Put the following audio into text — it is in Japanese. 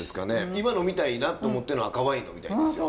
今呑みたいなって思ってるのは赤ワイン呑みたいんですよ。